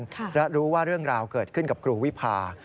และรู้ว่าเรื่องราวเกิดขึ้นกับครูวิพา